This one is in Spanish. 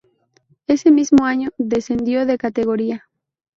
Ese mismo año descendió de categoría.